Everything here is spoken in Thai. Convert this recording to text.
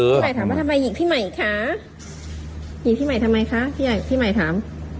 ใหม่ถามว่าทำไมหญิงพี่ใหม่คะหญิงพี่ใหม่ทำไมคะพี่ใหม่ถาม